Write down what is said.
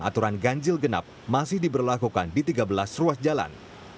aturan ganjil genap masih diberlakukan di tiga belas ruas jalan